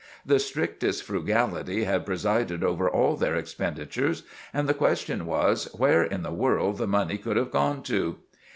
The strictest frugality had presided over all their expenditures, and the question was, where in the world the money could have gone to.